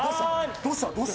どうした？